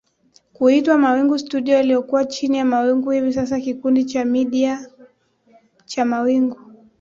Kuitwa Mawingu Studio iliyokuwa chini ya Mawingu hivi sasa kikundi cha media cha mawingu